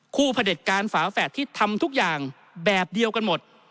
พระเด็จการฝาแฝดที่ทำทุกอย่างแบบเดียวกันหมด